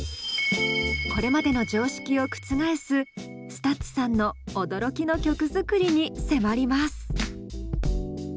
これまでの常識を覆すＳＴＵＴＳさんの驚きの曲作りに迫ります。